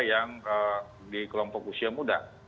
yang di kelompok usia muda